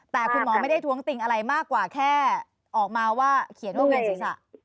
แต่คุณหมอไม่ได้ท้วงติงอะไรมากกว่าแค่ออกมาว่าเขียนว่าเวียนศีรษะ